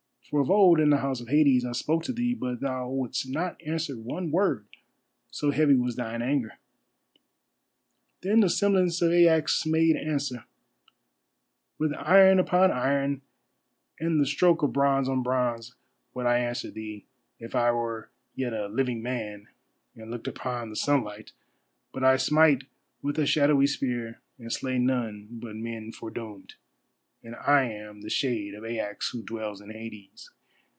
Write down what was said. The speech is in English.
For of old in the House of Hades I spoke to thee, but thou wouldst not answer one word, so heavy was thine anger." Then the semblance of Aias made answer: "With iron upon iron, and the stroke of bronze on bronze, would I answer thee, if I were yet a living man and looked upon the sunlight. But I smite with a shadowy spear and slay none but men foredoomed, and I am the shade of Aias who dwells in Hades.